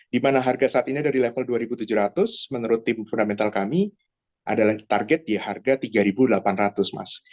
dimana harga saat ini dari level dua tujuh ratus menurut tim fundamental kami adalah target di harga tiga delapan ratus mas